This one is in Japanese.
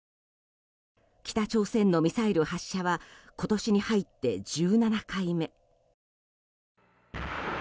北朝鮮のミサイル発射は今年に入って１７回目。